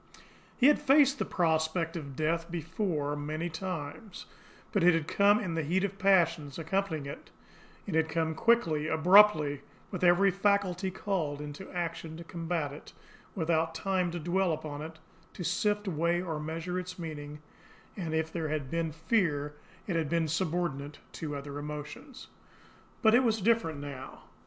He had faced the prospect of death before many times, but it had come with the heat of passion accompanying it, it had come quickly, abruptly, with every faculty called into action to combat it, without time to dwell upon it, to sift, weigh, or measure its meaning, and if there had been fear it had been subordinate to other emotions. But it was different now.